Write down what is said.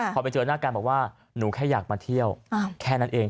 พอไปเจอหน้ากันบอกว่าหนูแค่อยากมาเที่ยวแค่นั้นเอง